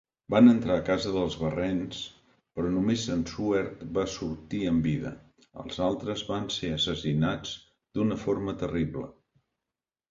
Van entrar a casa dels Barrens, però només en Suerd va sortir amb vida; els altres van ser assassinats d'una forma terrible.